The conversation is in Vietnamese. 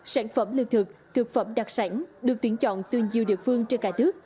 sản phẩm lương thực thực phẩm đặc sản được tuyển chọn từ nhiều địa phương trên cả nước